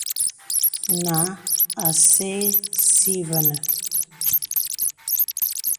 Nǎ à sɛ̀ɛ̀ si və̀nə̀.